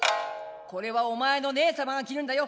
これはおまえの姉さまが着るんだよ。